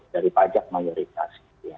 dari pajak mayoritas gitu ya